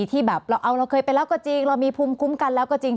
ที่แบบเราเอาเราเคยไปแล้วก็จริงเรามีภูมิคุ้มกันแล้วก็จริง